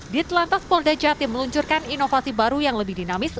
di telantas polda jatim meluncurkan inovasi baru yang lebih dinamis